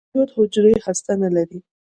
پروکاریوت حجرې هسته نه لري.